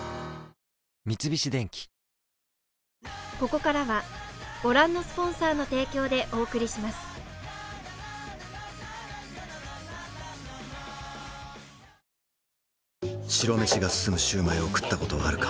三菱電機白飯が進むシュウマイを食ったことはあるか？